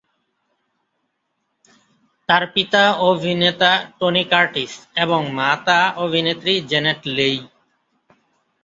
তার পিতা অভিনেতা টনি কার্টিস এবং মাতা অভিনেত্রী জ্যানেট লেই।